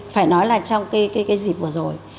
phải nói là trong cái dịp vừa rồi